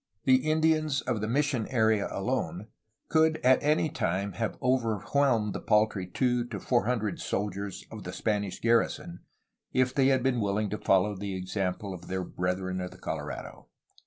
The Indians of the mission area alone could at any time have overwhelmed the paltry two to four hun dred soldiers of the Spanish garrison if they had been willing to follow the example of their brethren of the Colorado.